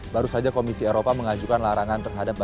baru saja komisi eropa mengajukan larangan terhadap